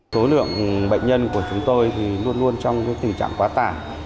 số lượng bệnh nhân của chúng tôi luôn luôn trong tình trạng quá tải